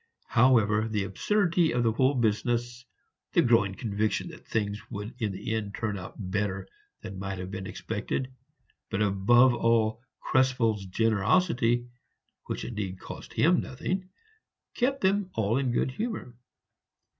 However, the absurdity of the whole business, the growing conviction that things would in the end turn out better than might have been expected, but above all, Krespel's generosity which indeed cost him nothing kept them all in good humor.